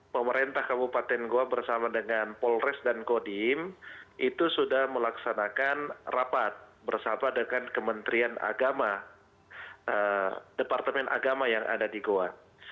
pemerintah kabupaten goa bersama dengan polres dan kodim itu sudah melaksanakan rapat bersama dengan kementerian agama departemen agama yang ada di goa